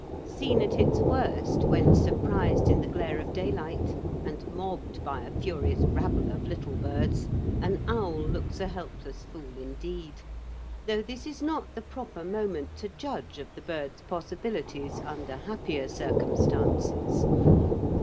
Seen at its worst, when surprised in the glare of daylight and mobbed by a furious rabble of little birds, an owl looks a helpless fool indeed, though this is not the proper moment to judge of the bird's possibilities under happier circumstances.